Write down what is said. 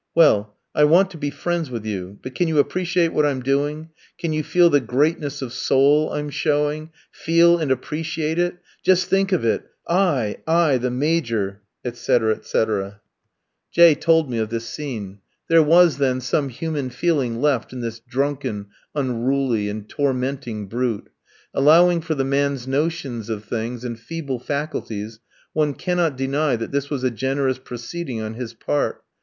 "Well, I want to be friends with you. But can you appreciate what I'm doing? Can you feel the greatness of soul I'm showing feel and appreciate it? Just think of it; I, I, the Major!" etc. etc. J ski told me of this scene. There was, then, some human feeling left in this drunken, unruly, and tormenting brute. Allowing for the man's notions of things, and feeble faculties, one cannot deny that this was a generous proceeding on his part.